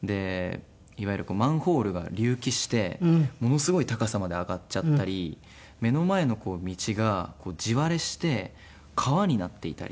いわゆるマンホールが隆起してものすごい高さまで上がっちゃったり目の前の道が地割れして川になっていたりとか。